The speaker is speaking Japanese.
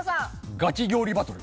ガチ料理バトル。